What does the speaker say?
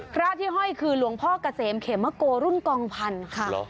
พระที่ห้อยคือหลวงพ่อเกษมเขมะโกรุ่นกองพันธุ์ค่ะ